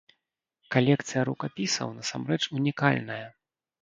Калекцыя рукапісаў насамрэч унікальная.